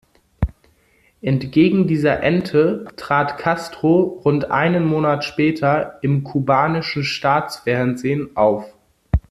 Entgegen dieser Ente trat Castro rund einen Monat später im kubanischen Staatsfernsehen auf.